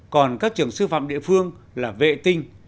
còn các trường sư phạm địa phương là vệ tinh